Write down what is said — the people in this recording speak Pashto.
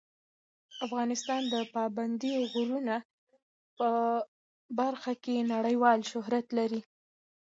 افغانستان د پابندي غرونو په برخه کې نړیوال شهرت لري.